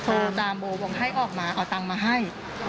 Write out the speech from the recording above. โทรตามโบบอกให้ออกมาเอาตังค์มาให้